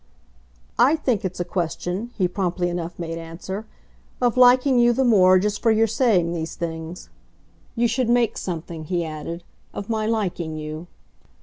"I think it's a question," he promptly enough made answer, "of liking you the more just for your saying these things. You should make something," he added, "of my liking you."